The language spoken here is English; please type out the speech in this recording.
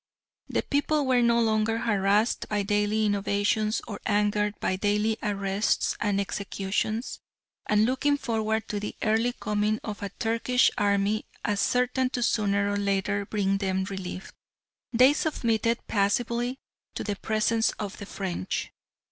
The people were no longer harassed by daily innovations or angered by daily arrests and executions, and looking forward to the early coming of a Turkish army as certain to sooner or later bring them relief, they submitted passively to the presence of the French.